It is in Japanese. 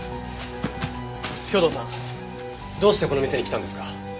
兵藤さんどうしてこの店に来たんですか？